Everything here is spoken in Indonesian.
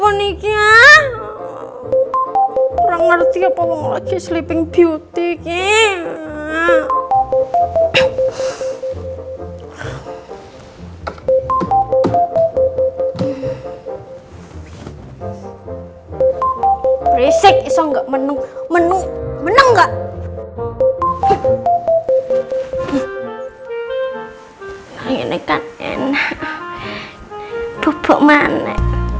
ini katen pupuk mana